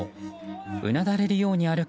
うなだれるように歩く